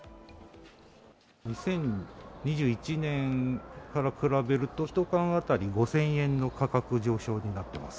２０２１年から比べると、１缶当たり５０００円の価格上昇になってます。